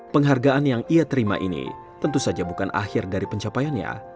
penghargaan yang ia terima ini tentu saja bukan akhir dari pencapaiannya